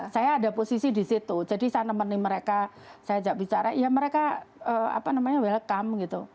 saya ada posisi di situ jadi saya nemani mereka saya ajak bicara ya mereka apa namanya welcome gitu